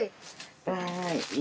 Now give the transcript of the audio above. わい。